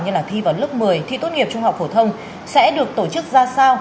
nhiều trường quan trọng như là thi vào lớp một mươi thi tốt nghiệp trung học phổ thông sẽ được tổ chức ra sao